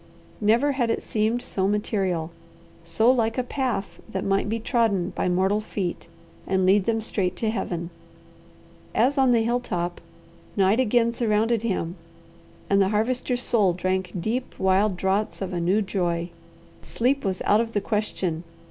Never had it seemed so material, so like a path that might be trodden by mortal feet and lead them straight to Heaven. As on the hill top, night again surrounded him and the Harvester's soul drank deep wild draughts of a new joy. Sleep was out of the question.